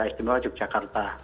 nah istimewa yogyakarta